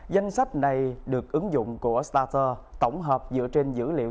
danh sách này được ứng dụng của starter tổng hợp dựa trên dữ liệu